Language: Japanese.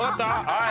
はい。